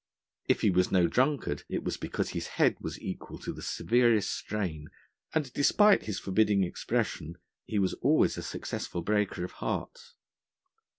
If he was no drunkard, it was because his head was equal to the severest strain, and, despite his forbidding expression, he was always a successful breaker of hearts.